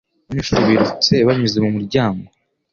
Abanyeshuri birutse banyuze mu muryango